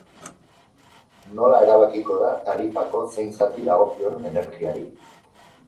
Nola erabakiko da tarifako zein zati dagokion energiari?